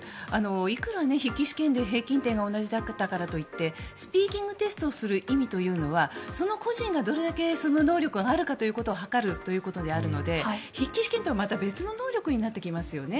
いくら筆記試験で平均点が同じだったからといってスピーキングテストをする意味というのはその個人がどれだけその能力があることを測るということなので筆記試験とはまた別の能力になってきますよね。